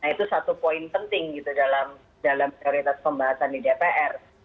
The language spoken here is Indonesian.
nah itu satu poin penting gitu dalam prioritas pembahasan di dpr